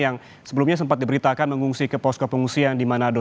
yang sebelumnya sempat diberitakan mengungsi ke posko pengungsian di manado